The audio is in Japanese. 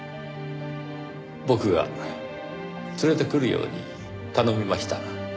僕が連れてくるように頼みました。